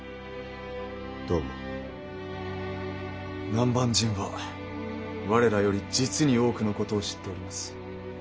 南蛮人は我らより実に多くのことを知っております。